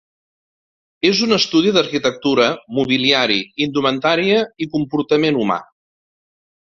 És un estudi d'arquitectura, mobiliari, indumentària i comportament humà.